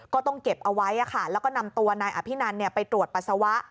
ก็ต้องเก็บเอาไว้แล้วก็นำตัวนายอภินันไปตรวจปัสสาวะ